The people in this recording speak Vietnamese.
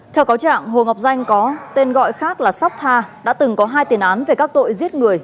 theo cáo trạng hồ ngọc danh có tên gọi khác là sóc tha đã từng có hai tiền án về các tội giết người